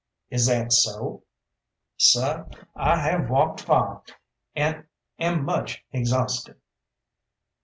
"Is that so?" "Seh, I have walked far, and am much exhausted."